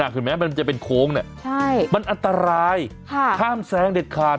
ถึงแม้มันจะเป็นโค้งมันอันตรายห้ามแซงเด็ดขาด